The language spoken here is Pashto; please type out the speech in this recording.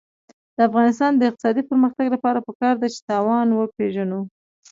د افغانستان د اقتصادي پرمختګ لپاره پکار ده چې تاوان وپېژنو.